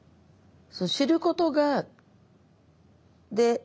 知ることがで